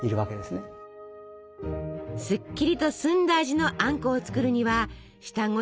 すっきりと澄んだ味のあんこを作るには下ごしらえがとても重要。